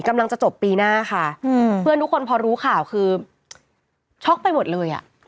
กำลังจะจบปีหน้าค่ะอืมเพื่อนทุกคนพอรู้ข่าวคือช็อกไปหมดเลยอ่ะ